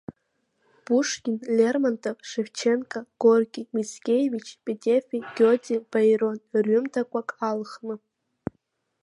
Пушкин, Лермонтов, Шевченко, Горки, Мицкевич, Петефи, Гиоте, Баирон рҩымҭақәак алхны.